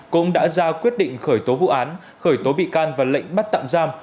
cũng đã ra quyết định khởi tố vụ án khởi tố bị can và lệnh bắt tạm giam